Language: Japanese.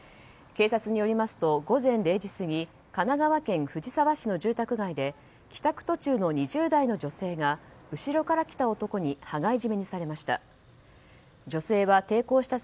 警察によりますと午前０時過ぎ神奈川県藤沢市の住宅街で帰宅途中の２０代の女性が後ろから来た男に羽交い締めにされました。